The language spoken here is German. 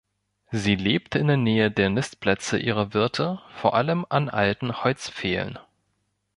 Sie lebt in der Nähe der Nistplätze ihrer Wirte, vor allem an alten Holzpfählen.